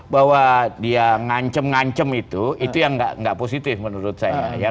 bahwa dia ngancem ngancem itu itu yang nggak positif menurut saya